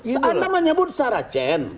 seandainya menyebut saracen